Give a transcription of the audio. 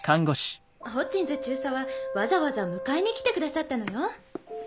ホッジンズ中佐はわざわざ迎えに来てくださったのよ。